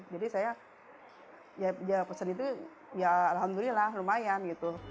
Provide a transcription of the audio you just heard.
jadi saya pesan itu ya alhamdulillah lumayan